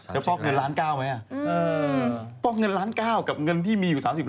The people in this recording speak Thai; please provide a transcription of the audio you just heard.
จะบอกเงิน๑๙๐๐๐๐๐บาทไหมอ่ะบอกเงิน๑๙๐๐๐๐๐บาทกับเงินที่มีอยู่๓๐ล้านไม่บอกเหรอ